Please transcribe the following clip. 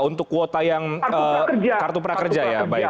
untuk kuota yang kartu prakerja ya